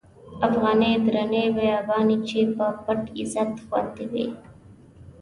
افغانی درنی بیبیانی، چی په پت عزت خوندی وی